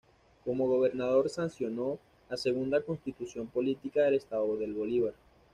Como gobernador sancionó la segunda constitución política del estado del Bolívar.